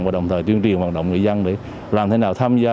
và đồng thời tuyên truyền hoạt động người dân để làm thế nào tham gia